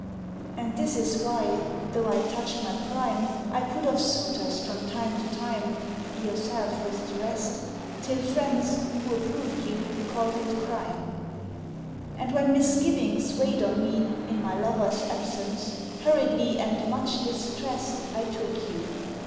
"And this was why, though I'd touched my prime, I put off suitors from time to time— Yourself with the rest— Till friends, who approved you, called it crime, "And when misgivings weighed on me In my lover's absence, hurriedly, And much distrest, I took you